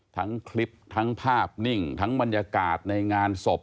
ทั้งคลิปทั้งภาพนิ่งทั้งบรรยากาศในงานศพ